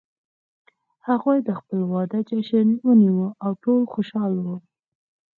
هغوی د خپل واده جشن ونیو او ټول خوشحال وو